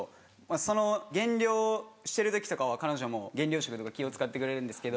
その減量してる時とかは彼女も減量食とか気を使ってくれるんですけど。